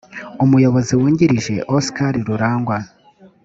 umuyobozi wungirije oscar rurangwa